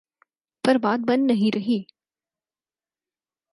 پر بات بن نہیں رہی۔